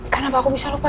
kenapa aku bisa lupa